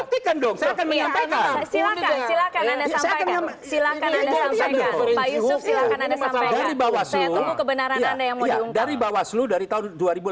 silakan silakan silakan silakan silakan silakan silakan anda sampai bahwa saya tahu kebenaran anda yang mau diungkap dari bawah seluruh dari tahun dua ribu dua puluh